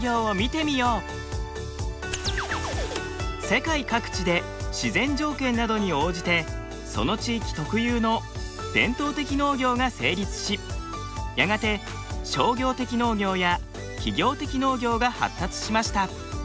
世界各地で自然条件などに応じてその地域特有の伝統的農業が成立しやがて商業的農業や企業的農業が発達しました。